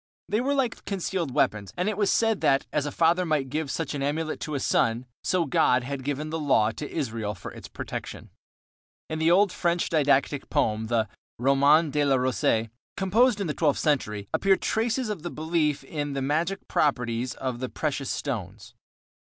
They were like concealed weapons, and it was said that, as a father might give such an amulet to a son, so God had given the Law to Israel for its protection. In the Old French didactic poem, the Roman de la Rose, composed in the twelfth century, appear traces of the belief in the magic properties of precious stones.